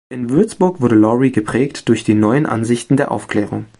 In Würzburg wurde Lori geprägt durch die neuen Ansichten der Aufklärung.